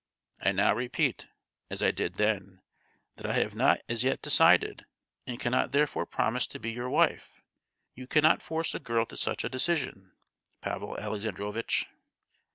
I now repeat, as I did then, that I have not as yet decided, and cannot therefore promise to be your wife. You cannot force a girl to such a decision, Pavel Alexandrovitch!